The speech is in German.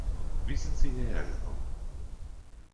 Wie sind Sie hierher gekommen?